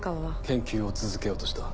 研究を続けようとした？